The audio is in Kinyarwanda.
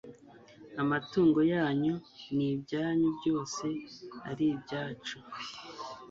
amatungo yanyu n'ibyanyu byose ari ibyacu